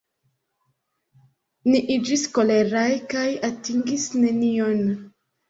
Ni iĝis koleraj kaj atingis nenion.